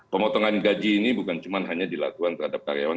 pemotongan gaji ini bukan cuma hanya dilakukan terhadap karyawan